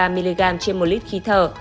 trên một lít khí thở